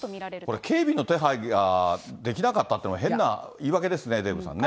これ、警備の手配ができなかったというのも変な言い訳ですね、デーブさんね。